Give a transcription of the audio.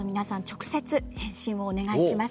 直接返信をお願いします。